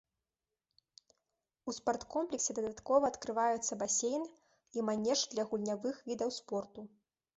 У спарткомплексе дадаткова адкрываюцца басейн і манеж для гульнявых відаў спорту.